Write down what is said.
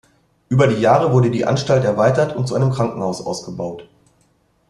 Über die Jahre wurde die Anstalt erweitert und zu einem Krankenhaus ausgebaut.